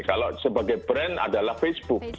kalau sebagai brand adalah facebook